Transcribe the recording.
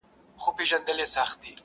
دا کيسه درس ورکوي ډېر,